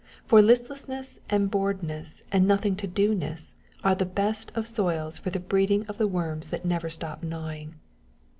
For listlessness and boredness and nothing to do ness are the best of soils for the breeding of the worms that never stop gnawing.